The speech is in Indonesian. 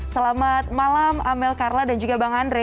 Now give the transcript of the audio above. selamat malam amel karla dan juga bang andre